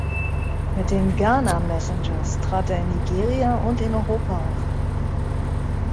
Mit den "Ghana Messengers" trat er in Nigeria und in Europa auf.